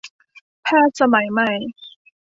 แพทย์สมัยใหม่